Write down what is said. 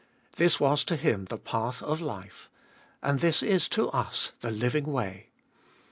This was to Him the path of life. And this is to us the living way.